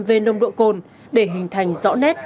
về nông độ cồn để hình thành rõ nét